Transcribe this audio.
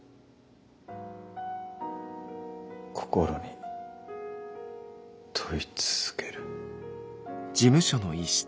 心に問い続ける。